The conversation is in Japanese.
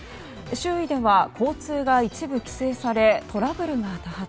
周囲では交通が一部規制されトラブルが多発。